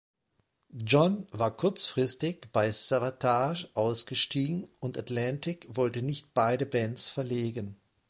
Jon war kurzfristig bei Savatage ausgestiegen und Atlantic wollte nicht beide Bands verlegen.